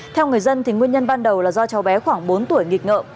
theo người dân thì nguyên nhân ban đầu là do cháu bé khoảng bốn tuổi nghịch ngợm